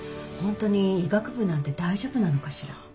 本当に医学部なんて大丈夫なのかしら。